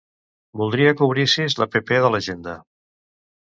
Voldria que obrissis l'app de l'Agenda.